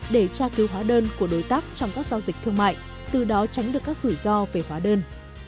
để tra cứu hóa đơn của đối tác trong các giao dịch thương mại từ đó tránh được các rủi ro về hóa đơn